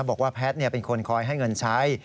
บอกว่าแพทย์เป็นคนคอยให้เงินใช้